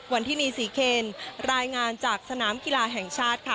วันที่นี่ศรีเคนรายงานจากสนามกีฬาแห่งชาติค่ะ